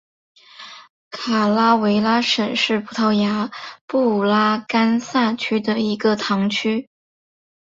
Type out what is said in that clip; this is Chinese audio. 卡拉韦拉什是葡萄牙布拉干萨区的一个堂区。